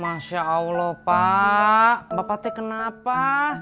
masya allah pak bapak t kenapa